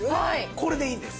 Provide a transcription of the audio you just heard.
これでいいんです。